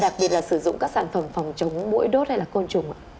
đặc biệt là sử dụng các sản phẩm phòng chống mũi đốt hay là côn trùng